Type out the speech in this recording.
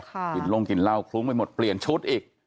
กินลงกินเหล้าคลุ้งไปหมดเปลี่ยนชุดอีก